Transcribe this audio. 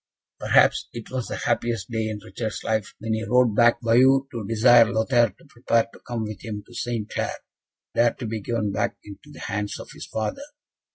Perhaps it was the happiest day in Richard's life when he rode back to Bayeux, to desire Lothaire to prepare to come with him to St. Clair, there to be given back into the hands of his father.